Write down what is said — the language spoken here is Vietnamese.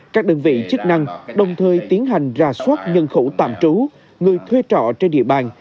các đơn vị chức năng đồng thời tiến hành ra soát nhân khẩu tạm trú người thuê trọ trên địa bàn